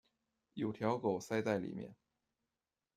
有条狗塞在里面